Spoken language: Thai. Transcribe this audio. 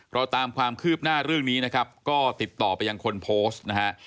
เราตามความคืบหน้าเรื่องนี้นะครับก็ติดต่อไปยังคนโพสต์นะฮะ